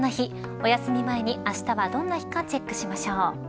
おやすみ前にあしたはどんな日かチェックしましょう。